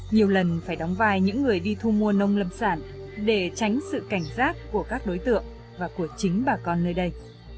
nhiều lần phải đóng vai những người đi thu mua nông lâm sản để tránh sự cảnh giác của các đối tượng và của chính bà con nơi đây